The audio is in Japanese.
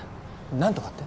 何とかって？